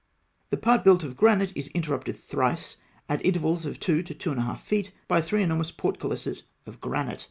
The part built of granite is interrupted thrice, at intervals of two to two and a half feet, by three enormous portcullises of granite (D).